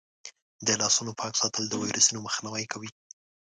د لاسونو پاک ساتل د ویروسونو مخنیوی کوي.